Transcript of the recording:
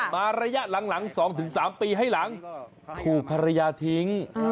มาระยะหลัง๒๓ปีให้หลังถูกภรรยาทิ้ง